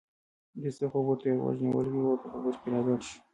د یوسف خبرو ته یې غوږ نیولی و او په خبرو کې راګډ شو.